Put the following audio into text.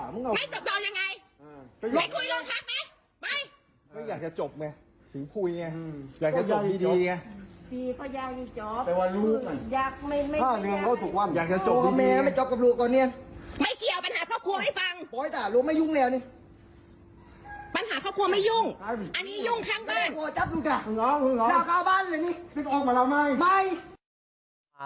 นึกออกมาแล้วมั้ยไม่